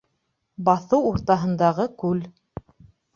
БАҪЫУ УРТАҺЫНДАҒЫ КҮЛ